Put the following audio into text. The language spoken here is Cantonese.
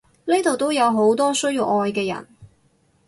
呢度都有好多需要愛嘅人！